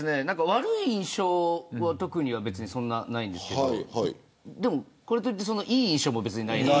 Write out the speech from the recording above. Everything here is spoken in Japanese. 悪い印象は、特には別にそんなないんですけれどこれといっていい印象も別にない。